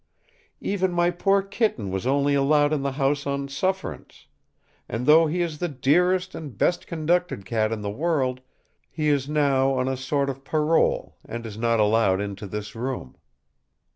"Even my poor kitten was only allowed in the house on sufferance; and though he is the dearest and best conducted cat in the world, he is now on a sort of parole, and is not allowed into this room."